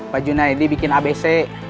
pak juna ya di bikin abc